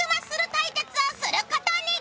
対決をすることに。